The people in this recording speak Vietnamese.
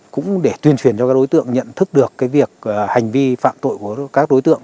cũng để tuyên truyền cho các đối tượng nhận thức được cái việc hành vi phạm tội của các đối tượng